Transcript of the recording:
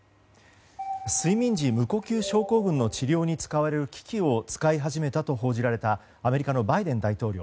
睡眠時無呼吸症候群の治療に使われる機器を使い始めたと報じられたアメリカのバイデン大統領。